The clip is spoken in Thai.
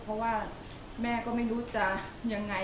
เพราะว่าแม่ก็ไม่รู้จะยังไง